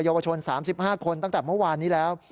ยาวชน๓๕คนตั้งแต่เมื่อวานนี้แล้ว